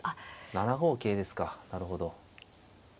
７五桂ですかなるほど。